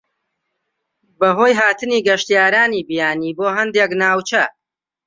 بەهۆی هاتنی گەشتیارانی بیانی بۆ هەندێک ناوچە